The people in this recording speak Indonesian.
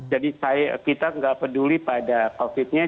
jadi saya kita nggak peduli pada covidnya